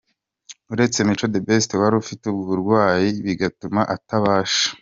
Uretse Mico The Best wari ufite uburwayi bigatuma atabasha.